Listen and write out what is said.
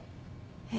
えっ？